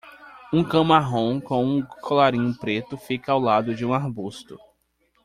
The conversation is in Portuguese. Um cão marrom com um colarinho preto fica ao lado de um arbusto.